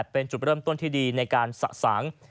เป็นจุดเริ่มต้นที่ดีในการสะสาง